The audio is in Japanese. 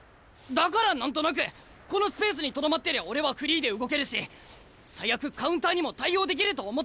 だから何となくこのスペースにとどまってりゃ俺はフリーで動けるし最悪カウンターにも対応できると思ったんだ。